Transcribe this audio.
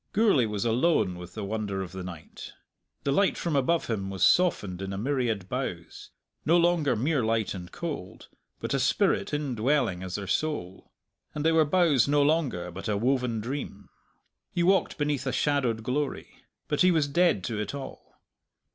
Gourlay was alone with the wonder of the night. The light from above him was softened in a myriad boughs, no longer mere light and cold, but a spirit indwelling as their soul, and they were boughs no longer but a woven dream. He walked beneath a shadowed glory. But he was dead to it all.